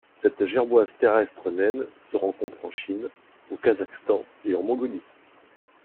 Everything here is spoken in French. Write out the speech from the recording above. Cette gerboise terrestre naine se rencontre en Chine, au Kazakhstan et en Mongolie.